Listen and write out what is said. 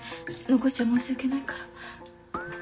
残しちゃ申し訳ないから。